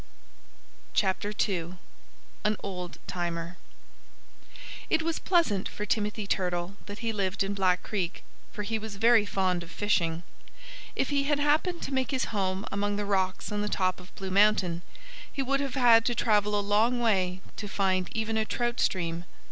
II AN OLD TIMER It was pleasant for Timothy Turtle that he lived in Black Creek, for he was very fond of fishing. If he had happened to make his home among the rocks on the top of Blue Mountain he would have had to travel a long way to find even a trout stream.